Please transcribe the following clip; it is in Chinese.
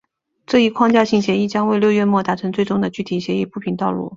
这一框架性协议将为六月末达成最终的具体协议铺平道路。